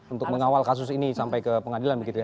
untuk mengawal kasus ini sampai ke pengadilan